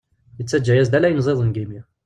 Yettaǧǧa-yas-d ala ayen ẓiden deg yimi.